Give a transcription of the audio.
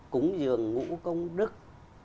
cúng giường ngũ công đức